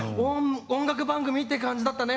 音楽番組って感じだったね